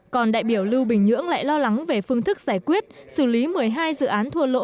còn đại biểu lưu bình nhưỡng lại lo lắng về phương thức giải quyết xử lý một mươi hai dự án thua lỗ